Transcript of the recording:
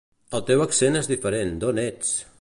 El teu accent és diferent, d'on ets?